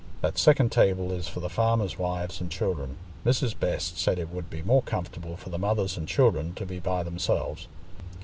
That second table is for the farmers' wives and children: Mrs. Best said it would be more comfortable for the mothers and children to be by themselves.